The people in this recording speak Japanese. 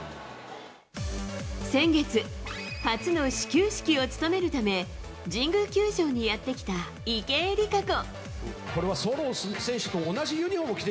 先月、初の始球式を務めるため神宮球場にやってきた池江璃花子。